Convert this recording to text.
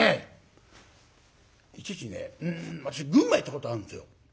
一時ね私群馬行ったことあるんですよ。